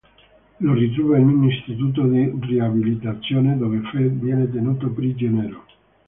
Lo ritrova in un istituto di riabilitazione dove Fred viene tenuto prigioniero.